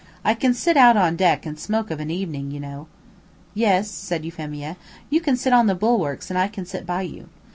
I can sit out on deck and smoke of an evening, you know." "Yes," said Euphemia. "You can sit on the bulwarks and I can sit by you.